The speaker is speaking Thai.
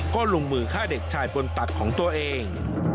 ก็ลงมือฆ่าเด็กชายบนตักของตัวเอง